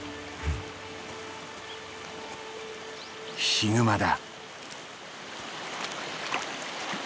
ヒグマだ。